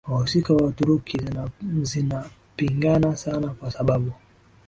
wahusika wa Waturuki zinapingana sana kwa sababu